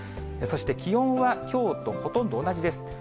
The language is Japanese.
そして、気温はきょうとほとんど同じです。